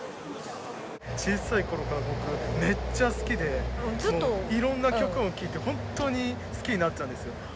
小さい頃から僕めっちゃ好きでうんずっと色んな曲を聴いて本当に好きになったんですよ